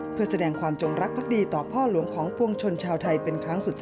เพื่อแสดงความจงรักภักดีต่อพ่อหลวงของปวงชนชาวไทยเป็นครั้งสุดท้าย